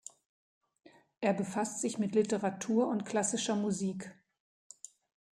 Er befasst sich mit Literatur und klassischer Musik.